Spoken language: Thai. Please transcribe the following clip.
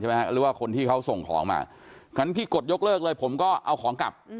หรือว่าคนที่เขาส่งของมางั้นพี่กดยกเลิกเลยผมก็เอาของกลับ